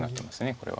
これは。